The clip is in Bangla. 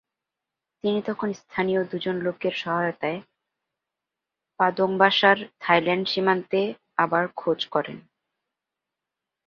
তিনি তখন স্থানীয় দুজন লোকের সহায়তায় পাদংবাসার থাইল্যান্ড সীমান্তে আবার খোঁজ করেন।